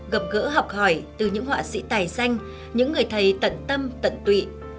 gặp gỡ học hỏi từ những họa sĩ tài danh những người thầy tận tâm tận tụy